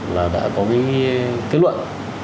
là đã có cái kết luận